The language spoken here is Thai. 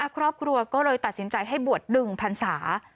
ครอบครัวก็เลยตัดสินใจให้บวช๑พันศา